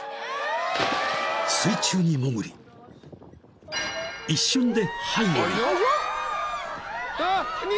［水中に潜り一瞬で背後に］